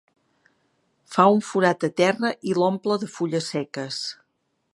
Fa un forat a terra i l'omple de fulles seques.